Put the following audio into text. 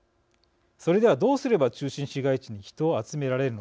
それではどうすれば中心市街地に人を集められるのか。